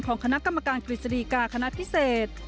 ของคณะกรรมการกริสดีกาคณะพิเศษ